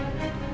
benar kan datuk